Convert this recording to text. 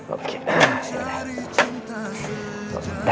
oke nah ini dia